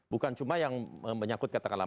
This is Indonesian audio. bukan cuma yang menyangkut katakanlah